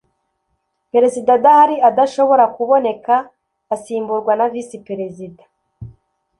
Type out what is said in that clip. perezida adahari adashobora kuboneka asimburwa na visi perezida